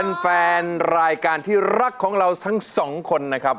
สวัสดีครับแฟนรายการที่รักของเราทั้ง๒คนนะครับ